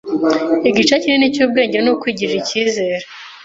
Igice kinini cy’ubwenge ni ukwigirira icyizere